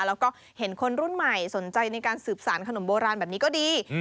แล้วก็เห็นคนรุ่นใหม่สนใจในการสืบสารขนมโบราณแบบนี้ก็ดี